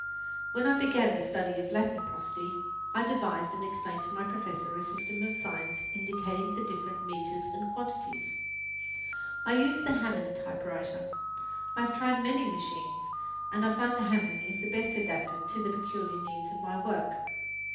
When I began the study of Latin prosody, I devised and explained to my professor a system of signs indicating the different meters and quantities. I use the Hammond typewriter. I have tried many machines, and I find the Hammond is the best adapted to the peculiar needs of my work.